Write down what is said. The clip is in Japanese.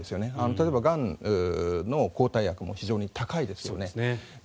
例えば、がんの抗体薬も非常に高いですよね。